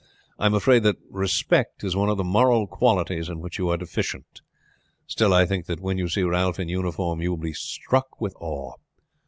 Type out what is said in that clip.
"I am afraid that respect is one of the moral qualities in which you are deficient. Still I think that when you see Ralph in his uniform, you will be struck with awe."